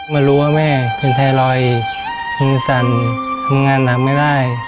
มารู้ว่าแม่เป็นไทรอยด์มือสั่นทำงานหนักไม่ได้